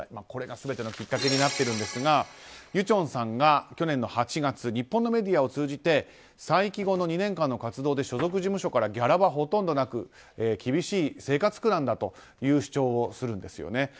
これが全てのきっかけになっているんですがユチョンさんが去年の８月日本のメディアを通じて再起後の２年間の活動で所属事務所からギャラはほとんどなく厳しい生活苦なんだという主張をするんですね。